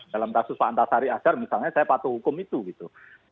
dalam kasus pak antasari azhar misalnya saya patuh hukum itu gitu